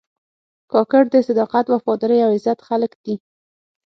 کاکړ د صداقت، وفادارۍ او عزت خلک دي.